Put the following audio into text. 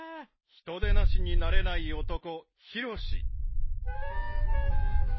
［人でなしになれない男ヒロシ］